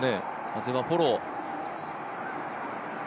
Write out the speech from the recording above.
風はフォロー。